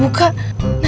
aku bisa mencoba